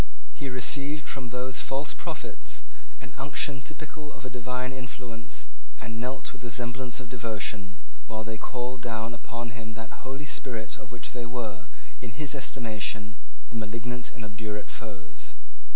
He received from those false prophets the unction typical of a divine influence, and knelt with the semblance of devotion, while they called down upon him that Holy Spirit of which they were, in his estimation, the malignant and obdurate foes.